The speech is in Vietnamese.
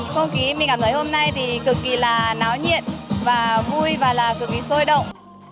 không khí mình cảm thấy hôm nay thì cực kỳ là náo nhiệt và vui và là cực kỳ sôi động